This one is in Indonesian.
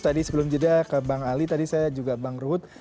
tadi sebelum jeda ke bang ali tadi saya juga bang ruhut